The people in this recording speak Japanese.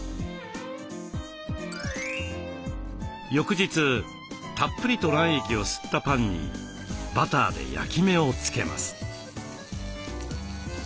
翌日たっぷりと卵液を吸ったパンにバターで焼き目を付けます。